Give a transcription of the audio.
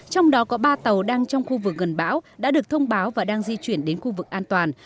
trong đó có ba tàu đang trong khu vực gần bão đã được thông báo và đang di chuyển đến khu vực an toàn